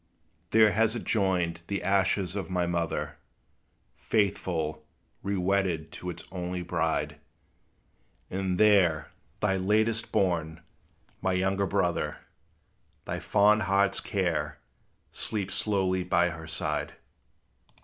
There has it joined the ashes of my mother, Faithful, rewedded to its only bride; And there thy latest born, my younger brother, Thy fond heart's care, sleeps closely by her side.